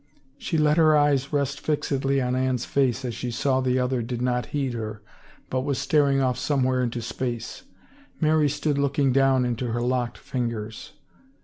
She let her eyes rest fixedly on Anne's face as she saw the other did not heed her but was staring off somewhere into space. Mary stood look ing down into her locked fingers.